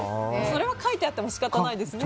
それは書いてあっても仕方ないですね。